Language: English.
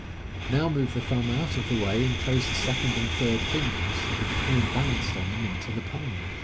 Now move the thumb out of the way, and close the second and third fingers, with the coin balanced on them, into the palm.